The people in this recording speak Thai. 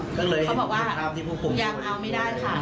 ก็เลยเขาบอกว่ายังเอาไม่ได้ค่ะ